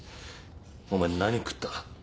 お前何食った？